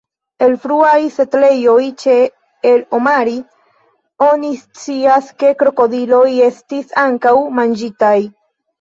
El fruaj setlejoj ĉe el-Omari oni scias, ke krokodiloj estis ankaŭ manĝitaj.